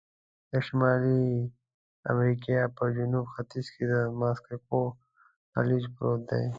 د شمالي امریکا په جنوب ختیځ کې د مکسیکو خلیج پروت دی.